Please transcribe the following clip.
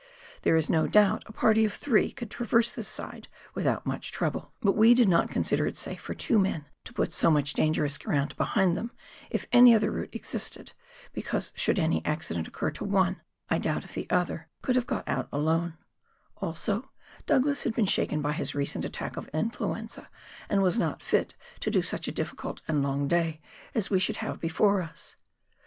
There is no doubt a party of three could traverse this side without much trouble, but we did not consider it safe for two men to put so much dangerous ground behind them if any other route existed, because should any accident occur to one I doubt if the other could have got out alone ; also Douglas had been shaken by his recent attack of influenza, and was not fit to do such a difficult and long day as we should have before us.